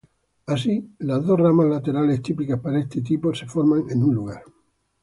Así, las dos ramas laterales típicas para este tipo se forman en un lugar.